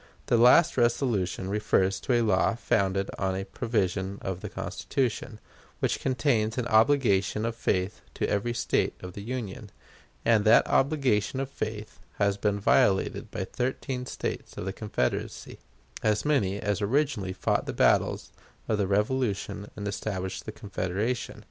The last resolution refers to a law founded on a provision of the Constitution, which contains an obligation of faith to every State of the Union; and that obligation of faith has been violated by thirteen States of the Confederacy as many as originally fought the battles of the Revolution and established the Confederation.